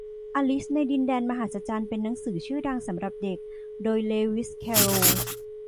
อลิซในดินแดนมหัศจรรย์เป็นหนังสือชื่อดังสำหรับเด็ก โดยเลวิส แคโรล